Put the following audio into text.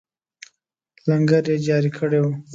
لنګر یې جاري کړی وو.